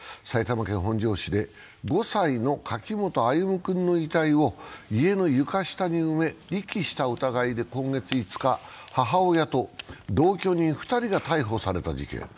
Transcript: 埼玉県本庄市で５歳の柿本歩夢君の遺体を家の床下に埋め遺棄した疑いで今月５日母親と同居人２人が逮捕された事件。